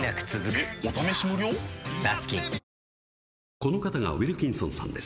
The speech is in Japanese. この方がウィルキンソンさんです。